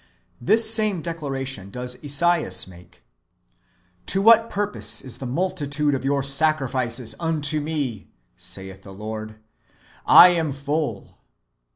This same declaration does Esaias make :" To what purpose is the multitude of your sacrifices unto me, saith the Lord? I am full."